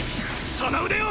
その腕を！